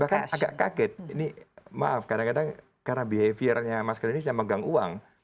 betul bahkan agak kaget ini maaf kadang kadang karena behavior nya mas keleni saya pegang uang